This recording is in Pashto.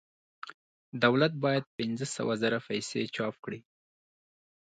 دولت باید پنځه سوه زره پیسې چاپ کړي